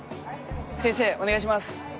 先生お願いします。